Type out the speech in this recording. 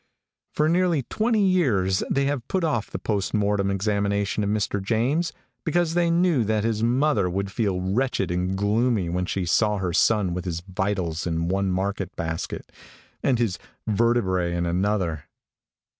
For nearly twenty years they have put off the post mortem examination of Mr. James, because they knew that his mother would feel wretched and gloomy when she saw her son with his vitals in one market basket, and his vertebræ in another.